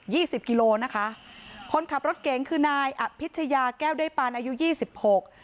สิบกิโลนะคะคนขับรถเก๋งคือนายอภิชยาแก้วได้ปานอายุยี่สิบหก